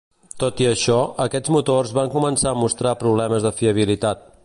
Tot i això, aquests motors van començar a mostrar problemes de fiabilitat.